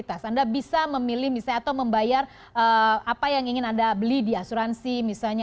anda bisa memilih misalnya atau membayar apa yang ingin anda beli di asuransi misalnya